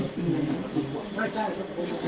อืม